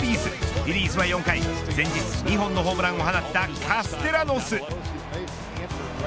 フィリーズは４回前日２本のホームランを放ったカステラノス。